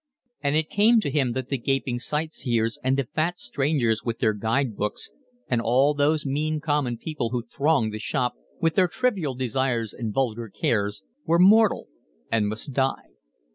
And it came to him that the gaping sight seers and the fat strangers with their guide books, and all those mean, common people who thronged the shop, with their trivial desires and vulgar cares, were mortal and must die.